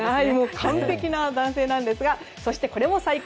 完璧な男性なんですがこれも最高！